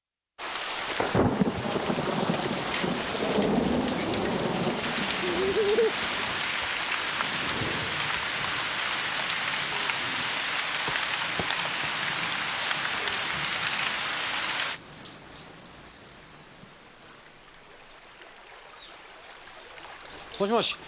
もしもし何？